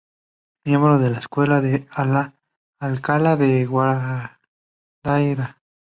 Miembro de la Escuela de Alcalá de Guadaíra.